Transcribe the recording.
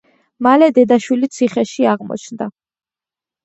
მალე დედა-შვილი ციხეში აღმოჩნდა.